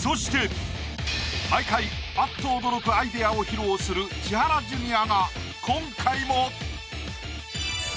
そして毎回あっと驚くアイデアを披露する千原ジュニアが今回も。